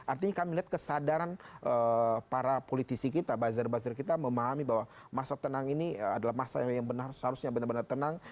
artinya kami lihat kesadaran para politisi kita buzzer buzzer kita memahami bahwa masa tenang ini adalah masa yang seharusnya benar benar tenang